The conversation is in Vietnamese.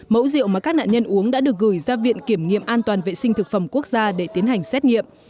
mẫu rượu mà các nạn nhân uống đã được gửi ra viện kiểm nghiệm an toàn vệ sinh thực phẩm quốc gia để tiến hành xét nghiệm